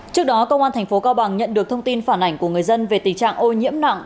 trước đó công an thành phố cao bằng nhận được thông tin phản ảnh của người dân về tình trạng ô nhiễm nặng